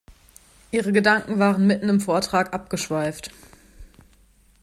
Ihre Gedanken waren mitten im Vortrag abgeschweift.